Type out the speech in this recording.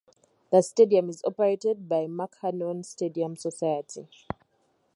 The stadium is operated by the McMahon Stadium Society.